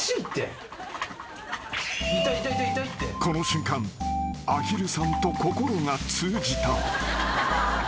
［この瞬間アヒルさんと心が通じた］